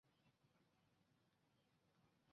翅果藤为萝藦科翅果藤属下的一个种。